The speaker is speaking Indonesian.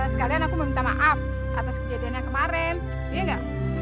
sekalian aku mau minta maaf atas kejadian yang kemarin iya gak